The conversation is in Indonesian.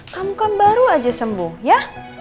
kamu kan baru aja sembuh ya